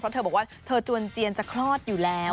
เพราะเธอบอกว่าเธอจวนเจียนจะคลอดอยู่แล้ว